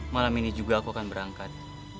malam ini juga aku akan berangkat